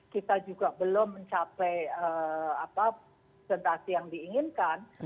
kita juga belum mencapai persentase yang diinginkan